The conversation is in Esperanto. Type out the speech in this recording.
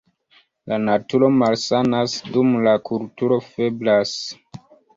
La naturo malsanas, dum la kulturo febras.